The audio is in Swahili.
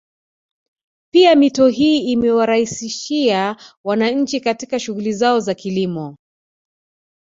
Pia mito hii imewaraisishia wananchi katika shughuli zao za kilimo